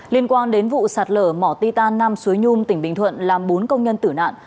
liên quan đến vụ sạt lở mỏ ti tàn nam suối nhôm tỉnh bình thuận làm bốn công nhân tử nạn